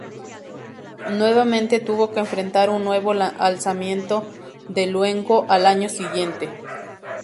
Nuevamente tuvo que enfrentar un nuevo alzamiento de Luengo al año siguiente.